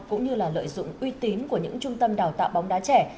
cũng như lợi dụng uy tín của những trung tâm đào tạo bóng đá trẻ